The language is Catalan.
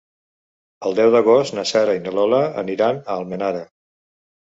El deu d'agost na Sara i na Lola aniran a Almenara.